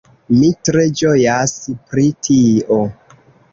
Mi tre ĝojas pri tio